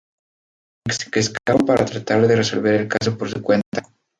Briggs, que escapa para tratar de resolver el caso por su cuenta.